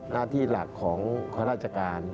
หน้าที่หลักของข้าราชการ